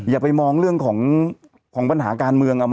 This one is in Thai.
อย่าไปมองเรื่องของปัญหาการเมือง